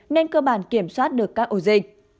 nên cơ bản kiểm soát được các ổ dịch